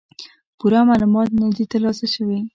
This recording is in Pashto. پوره معلومات نۀ دي تر لاسه شوي